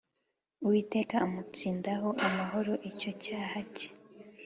Uwiteka amutsindaho amuhoye icyo cyaha cye